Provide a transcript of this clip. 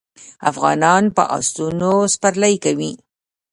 افغانان په اسونو سپرلي کوي.